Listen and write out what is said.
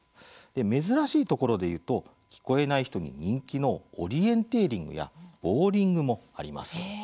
珍しいところでいうと聞こえない人に人気のオリエンテーリングやボウリングもあります。